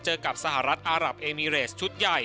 เจอกับสหรัฐอารับเอมิเรสชุดใหญ่